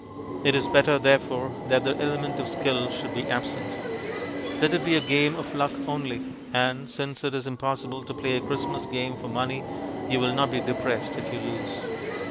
It is better, therefore, that the element of skill should be absent. Let it be a game of luck only; and, since it is impossible to play a Christmas game for money, you will not be depressed if you lose.